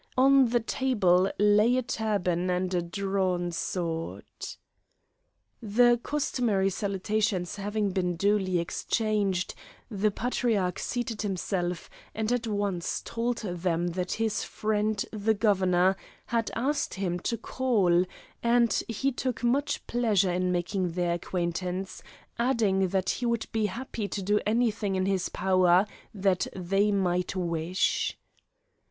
On the table lay a turban and a drawn sword. The customary salutations having been duly exchanged, the Patriarch seated himself, and at once told them that his friend the Governor had asked him to call, and he took much pleasure in making their acquaintance, adding that he would be happy to do anything in his power that they might wish.